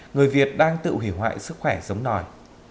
người việt đang tự hủy hoại sức khỏe sống nòi